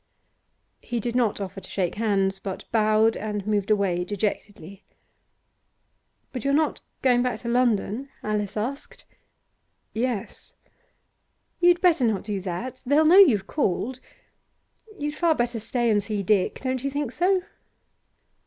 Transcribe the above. He did not offer to shake hands, but bowed and moved away dejectedly. 'But you're not going back to London?' Alice asked. 'Yes.' 'You'd better not do that. They'll know you've called. You'd far better stay and see Dick; don't you think so?